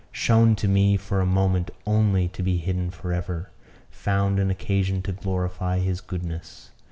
shown to me for a moment only to be hidden for ever, found an occasion to glorify his goodness.